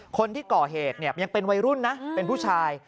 คนที่ก่อเหตุเนี่ยยังเป็นวัยรุ่นนะเป็นผู้ชาย